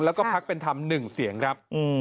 แล้วก็พักเป็นธรรม๑เสียงครับ